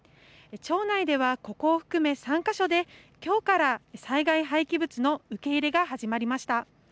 町内では、ここを含め３か所できょうから災害廃棄物の受け入れが始まりました。